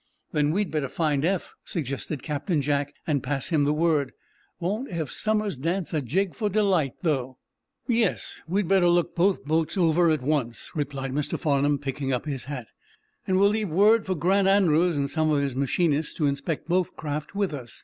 "Then we'd better find Eph," suggested Captain Jack, "and pass him the word. Won't Eph Somers dance a jig for delight, though?" "Yes; we'd better look both boats over at once," replied Mr. Farnum, picking up his hat. "And we'll leave word for Grant Andrews and some of his machinists to inspect both craft with us.